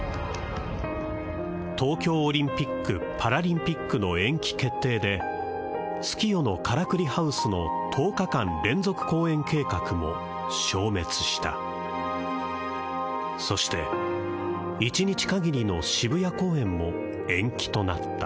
東京オリンピック・パラリンピックの延期決定で「月夜のからくりハウス」の１０日間連続公演計画も消滅したそして一日限りの渋谷公演も延期となった